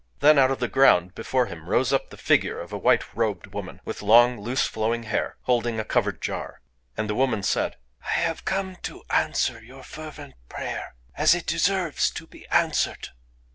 Then, out of the ground before him, rose up the figure of a white robed woman, with long loose flowing hair, holding a covered jar. And the woman said: "I have come to answer your fervent prayer as it deserves to be answered.